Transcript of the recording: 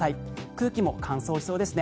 空気も乾燥しそうですね